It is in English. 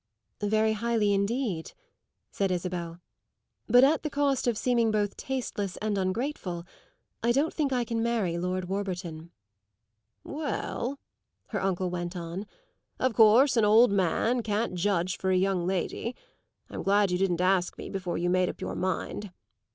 "Very highly indeed," said Isabel. "But at the cost of seeming both tasteless and ungrateful, I don't think I can marry Lord Warburton." "Well," her uncle went on, "of course an old man can't judge for a young lady. I'm glad you didn't ask me before you made up your mind.